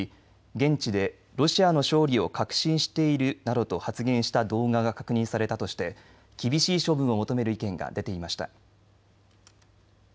現地でロシアの勝利を確信しているなどと発言した動画が確認されたとして厳しい処分を求める意見が出ていました。